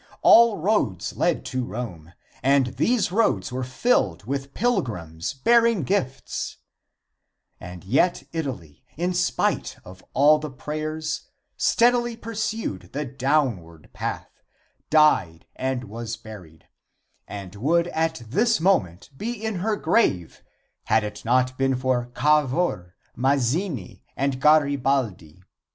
All roads led to Rome, and these roads were filled with pilgrims bearing gifts, and yet Italy, in spite of all the prayers, steadily pursued the downward path, died and was buried, and would at this moment be in her grave had it not been for Cavour, Mazzini and Garibaldi.